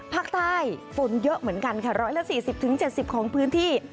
ภาคใต้ฝนเยอะเหมือนกันค่ะ๑๔๐๗๐ของพื้นที่